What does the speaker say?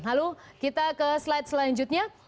lalu kita ke slide selanjutnya